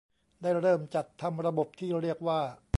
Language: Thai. ได้เริ่มจัดทำระบบที่เรียกว่า